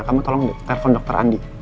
kamu tolong telpon dokter andi